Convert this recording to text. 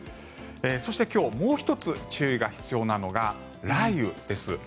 そして、今日もう１つ注意が必要なのが雷雨です。